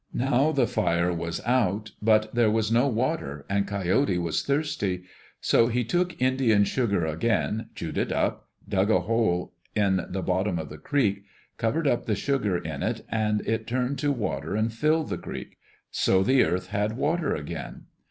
Now the fire was out, but there was no water and Coyote was thirsty. So he took Indian sugar again, chewed it up, dug a hole in the bottom of the creek, covered up the sugar in it, and it turned to water and filled the creek. So the earth had water again.